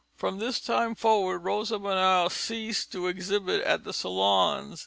From this time forward Rosa Bonheur ceased to exhibit at the Salons.